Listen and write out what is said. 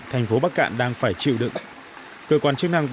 thành phố bắc cạn đang phải chịu đựng